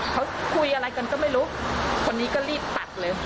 เขาคุยอะไรกันก็ไม่รู้คนนี้ก็รีบตัดเลย